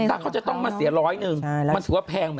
ถ้าเขาจะต้องมาเสียร้อยหนึ่งมันถือว่าแพงหมด